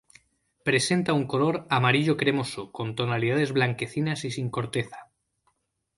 Presenta un color amarillo cremoso, con tonalidades blanquecinas y sin corteza.